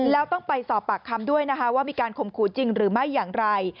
แล้วต้องไปสอบปากคำด้วยนะคะว่ามีการข่มขู่จริงหรือไม่อย่างไร